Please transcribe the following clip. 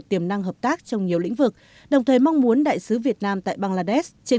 tiềm năng hợp tác trong nhiều lĩnh vực đồng thời mong muốn đại sứ việt nam tại bangladesh trên